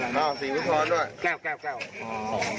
ญาติพี่น้องก็สารวัตต์เจมส์